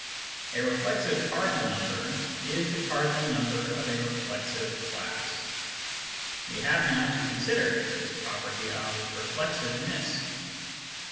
A " reflexive " cardinal number is the cardinal number of a reflexive class. We have now to consider this property of reflexiveness.